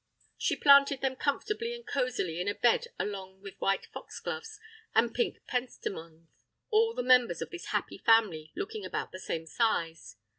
She planted them comfortably and cosily in a bed along with white foxgloves and pink pentstemons, all the members of this happy family looking about the same size.